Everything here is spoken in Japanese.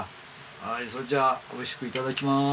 はいそれじゃあおいしくいただきます。